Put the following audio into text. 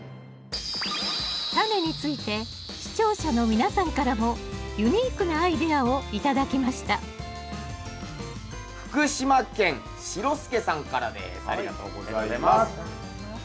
タネについて視聴者の皆さんからもユニークなアイデアを頂きました福島県しろすけさんからです。